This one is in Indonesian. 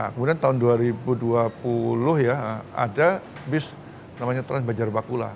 kemudian tahun dua ribu dua puluh ya ada bis namanya trans banjar bakula